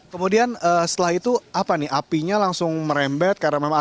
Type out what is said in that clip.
kemudian setelah itu apinya langsung merembet